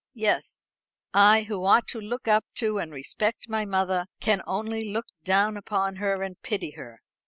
Yes; I, who ought to look up to and respect my mother, can only look down upon her and pity her.